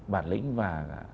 bản lĩnh và